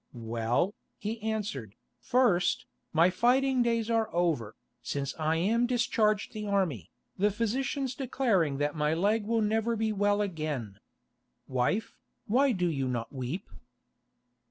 "Well," he answered, "first, my fighting days are over, since I am discharged the army, the physicians declaring that my leg will never be well again. Wife, why do you not weep?"